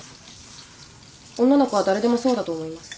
女の子は誰でもそうだと思います。